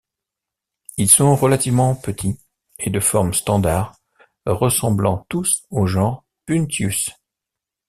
Ils sont relativement petits et de forme standard ressemblant tous au genre Puntius.